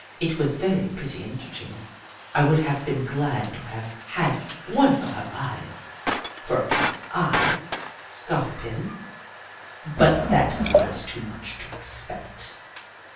It was very pretty and touching. I would have been glad to have had one of her eyes, for a cat's eye scarf pin, but that was too much to expect.